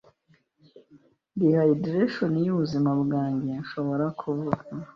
Dehidration y'ubuzima bwanjye nshobora kuvuga